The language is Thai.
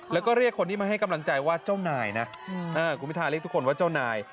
แล้วก็เรียกคนที่มาให้กำลังใจว่าเจ้านายนะคุณพิทาเรียกทุกคนว่าเจ้านาย